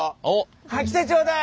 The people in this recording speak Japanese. はい来てちょうだい。